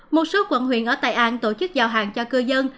một số quận huyện ở tây an tổ chức giao hàng cho cư dân